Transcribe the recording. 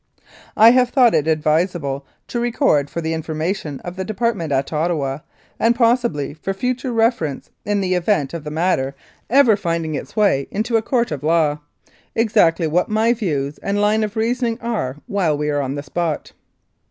"I have thought it advisable to record for the informa tion of the Department at Ottawa, and possibly for future reference, in the event of the matter ever finding its way I 1 73 Mounted Police Life in Canada into a Court of Law, exactly what my views and line of reasoning are while we are on the spot.